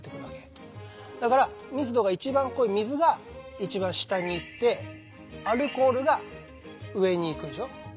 だから密度が一番濃い水が一番下に行ってアルコールが上に行くでしょ。